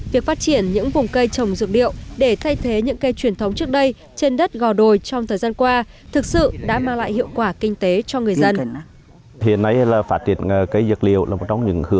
việc phát triển những vùng cây trồng dược liệu để thay thế những cây truyền thống trước đây trên đất gò đồi trong thời gian qua thực sự đã mang lại hiệu quả kinh tế cho người dân